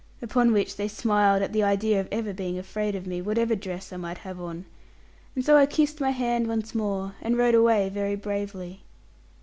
Upon which they smiled at the idea of ever being afraid of me, whatever dress I might have on; and so I kissed my hand once more, and rode away very bravely.